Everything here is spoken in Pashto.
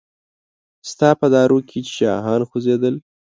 ستا په دارو کې چې شاهان خوځیدل